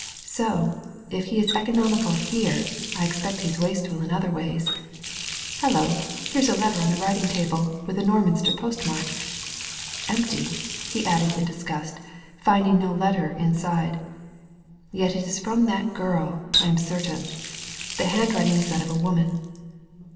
" So, if he is economical here, I expect he is wasteful in other ways. Hullo ! here's a letter on the writing table with the Norminster postmark. Empty I" he added in disgust, finding no letter in side. " Yet it is from that girl, I am certain. The handwriting is that of a woman.